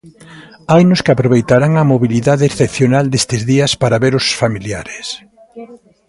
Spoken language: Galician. Hainos que aproveitarán a mobilidade excepcional destes días para ver os familiares.